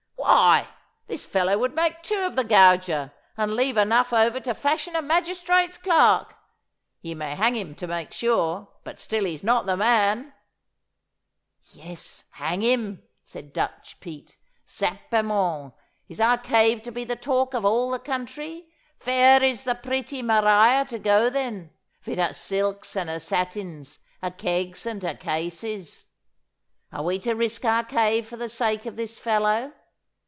'Why, this fellow would make two of the gauger, and leave enough over to fashion a magistrate's clerk. Ye may hang him to make sure, but still he's not the man.' 'Yes, hang him!' said Dutch Pete. 'Sapperment! is our cave to be the talk of all the country? Vere is the pretty Maria to go then, vid her silks and her satins, her kegs and her cases'? Are we to risk our cave for the sake of this fellow?